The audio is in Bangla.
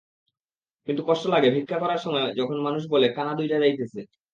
কিন্তু কষ্ট লাগে ভিক্ষা করার সময় যখন মানুষে বলে—কানা দুইডা যাইতেছে।